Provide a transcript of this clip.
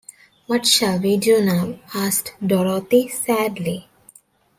What shall we do now? asked Dorothy, sadly.